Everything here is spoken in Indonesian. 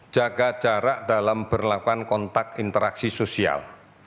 jaga jarak dalam berlakukan kontak interaksi sosial